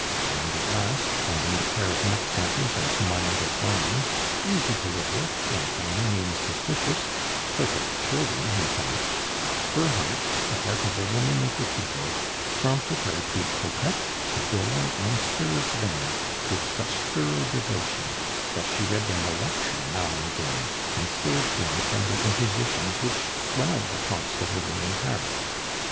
And at last, finding the pair of nutcrackers as mild as lambs, easy to live with, and by no means suspicious perfect children, in fact her heart, the heart of a woman of the people, prompted her to protect, adore, and serve them with such thorough devotion, that she read them a lecture now and again, and saved them from the impositions which swell the cost of living in Paris.